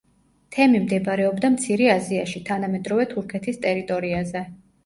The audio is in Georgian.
თემი მდებარეობდა მცირე აზიაში, თანამედროვე თურქეთის ტერიტორიაზე.